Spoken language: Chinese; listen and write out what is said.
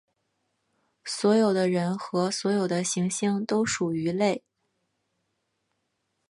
所有的人和所有的行星都属于类。